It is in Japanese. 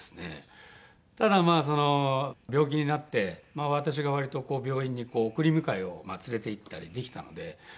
ただまあその病気になって私が割とこう病院に送り迎えを連れていったりできたので。